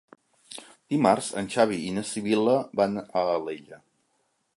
Dimarts en Xavi i na Sibil·la van a Alella.